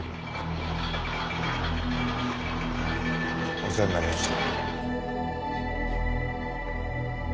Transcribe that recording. お世話になりました